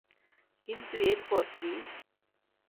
কিন্তু এরপর কি?